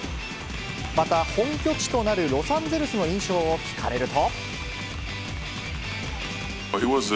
また、本拠地となるロサンゼルスの印象を聞かれると。